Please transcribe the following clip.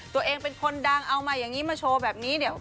ตัวเองเป็นคนดังเอามาอย่างนี้มาโชว์แบบนี้เดี๋ยว